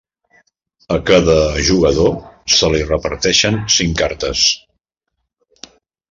A cada jugador se li reparteixen cinc cartes.